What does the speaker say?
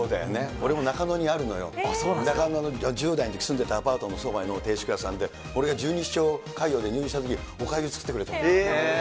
俺もね、中野にあるのよ、中野の、１０代のときに住んでたアパートのそばの定食屋さんで、俺が十二指腸潰瘍で入院したとき、おかゆ作ってくれたの。